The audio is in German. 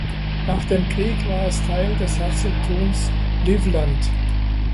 Nach dem Krieg war es Teil des Herzogtums Livland.